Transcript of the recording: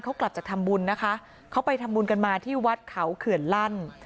เขากลับจากทำบุญนะคะเขาไปทำบุญกันมาที่วัดเขาเขื่อนลั่น